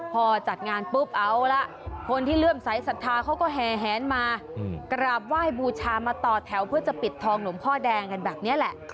พอจัดงานปุ๊บเอาละคนที่เลื่อมสายศรัทธาเขาก็แหนมากราบไหว้บูชามาต่อแถวเพื่อจะปิดทองหลวงพ่อแดงกันแบบนี้แหละ